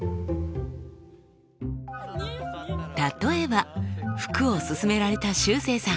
例えば服をすすめられたしゅうせいさん。